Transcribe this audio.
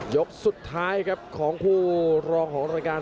ยกสุดท้ายครับของคู่รองของรายการ